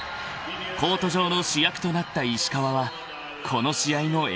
［コート上の主役となった石川はこの試合のＭＶＰに輝いた］